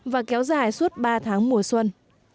và kéo dài suốt ba tháng mùa xuân